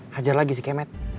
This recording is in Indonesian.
hajar lagi si kemet